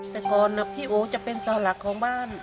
แต่ก่อนพี่โอจะเป็นเสาหลักของบ้าน